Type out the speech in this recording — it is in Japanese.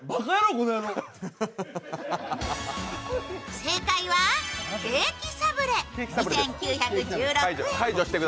正解はケーキサブレ２９１６円。